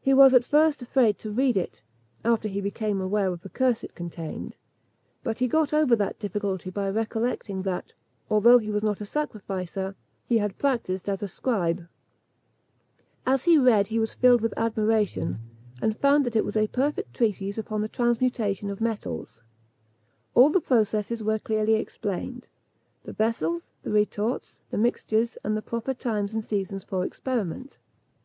He was at first afraid to read it, after he became aware of the curse it contained; but he got over that difficulty by recollecting that, although he was not a sacrificer, he had practised as a scribe. As he read he was filled with admiration, and found that it was a perfect treatise upon the transmutation of metals. All the processes were clearly explained; the vessels, the retorts, the mixtures, and the proper times and seasons for experiment.